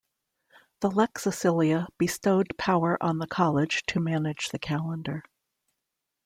The "lex Acilia" bestowed power on the college to manage the calendar.